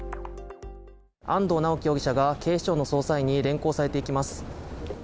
安藤巨樹容疑者が警視庁の捜査員に連行されていきます。